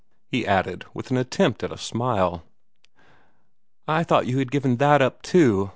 he added, with an attempt at a smile. "I thought you had given that up, too!"